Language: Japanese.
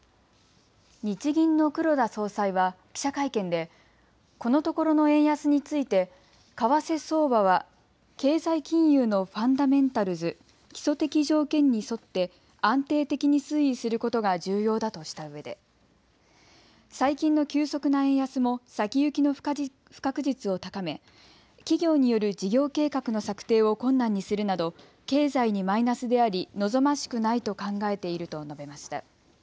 日銀の黒田総裁は記者会見でこのところの円安について為替相場は経済金融のファンダメンタルズ・基礎的条件に沿って安定的に推移することが重要だとしたうえで最近の急速な円安も先行きの不確実を高め企業による事業計画の策定を困難にするなど経済にマイナスであり、望ましくないと考えていると述べました。